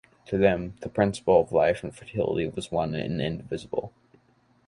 To them, the principle of life and fertility was one and indivisible.